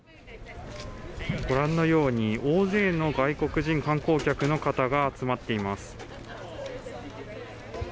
ご覧のように大勢の外国人観光客の方が集まっています。